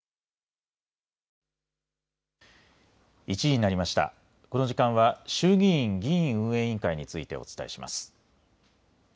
この時間は、衆議院議院運営委員会についてお伝えします。